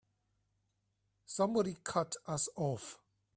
Somebody cut us off!